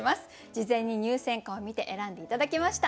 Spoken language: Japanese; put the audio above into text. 事前に入選歌を見て選んで頂きました。